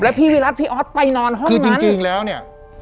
แล้วพี่วิรัติพี่ออสไปนอนห้องมันคือจริงจริงแล้วเนี้ย